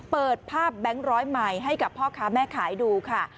เปิดภาพแบงค์ร้อยใหม่ให้กับพ่อค้าแม่ขายดูค่ะ